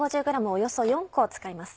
およそ４個使います。